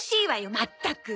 まったく。